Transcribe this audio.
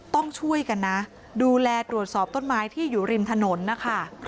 ต้องช่วยกันนะดูแลตรวจสอบต้นไม้ที่อยู่ริมถนนนะคะ